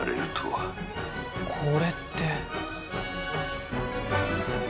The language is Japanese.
これって。